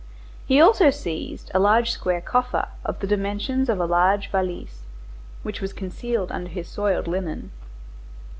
He also seized a large square coffer, of the dimensions of a large valise, which was concealed under his soiled linen.